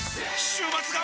週末が！！